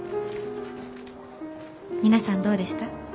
皆さんどうでした？